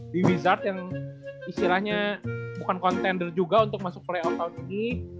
dwi wizard yang istilahnya bukan contender juga untuk masuk playoff tahun ini